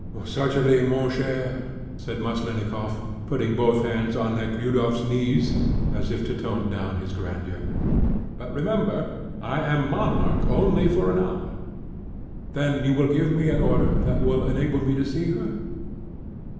"Certainly, mon cher," said Maslennikoff, putting both hands on Nekhludoff's knees, as if to tone down his grandeur; "but remember, I am monarch only for an hour." "Then will you give me an order that will enable me to see her?"